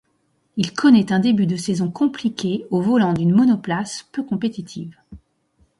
Il connaît un début de saison compliqué au volant d'une monoplace peu compétitive.